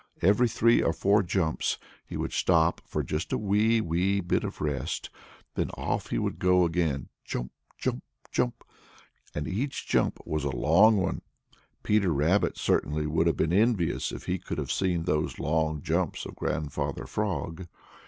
Every three or four jumps he would stop for just a wee, wee bit of rest, then off he would go again, jump, jump, jump! And each jump was a long one. Peter Rabbit certainly would have been envious if he could have seen those long jumps of Grandfather Frog.